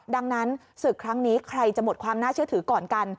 ดังนั้นศึกครั้งนี้ใครจะหมดความน่าเชื่อถือก่อนกัน